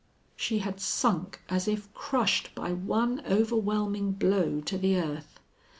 She had sunk as if crushed by one overwhelming blow to the earth.